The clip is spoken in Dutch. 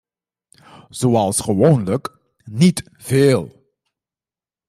Zoals gewoonlijk, niet veel.